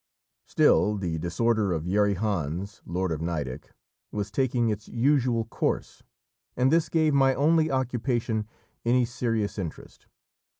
Still the disorder of Yeri Hans, lord of Nideck, was taking its usual course, and this gave my only occupation any serious interest.